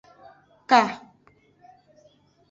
Ka.